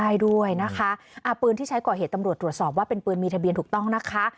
ใช่ด้วยนะคะอ่าปืนที่ใช้ก่อเหตุตำรวจตรวจสอบว่าเป็นปืนมีทะเบียนถูกต้องนะคะ